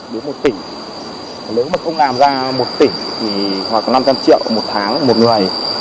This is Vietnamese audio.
đến một tỉnh nếu mà không làm ra một tỉnh hoặc năm trăm linh triệu một tháng một người